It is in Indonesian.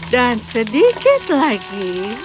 dan sedikit lagi